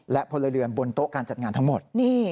และพลเรือนบนโต๊ะการจัดงานทั้งหมด